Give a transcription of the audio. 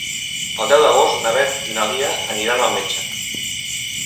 El deu d'agost na Beth i na Lia aniran al metge.